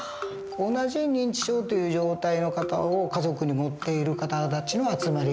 同じ認知症という状態の方を家族に持っている方たちの集まり